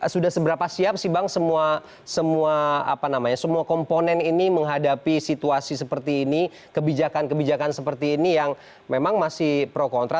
sudah seberapa siap sih bang semua komponen ini menghadapi situasi seperti ini kebijakan kebijakan seperti ini yang memang masih pro kontra